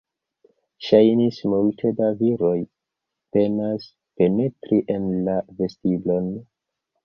Ŝajnis, multe da viroj penas penetri en la vestiblon.